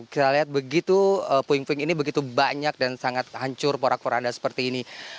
kita lihat begitu puing puing ini begitu banyak dan sangat hancur porak poranda seperti ini